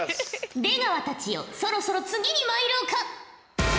出川たちよそろそろ次にまいろうか。